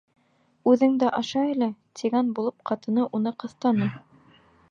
Үҙең дә аша әле, тигән булып ҡатыны уны ҡыҫтаны.